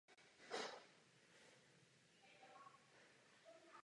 Následuje po čísle pět set třicet šest a předchází číslu pět set třicet osm.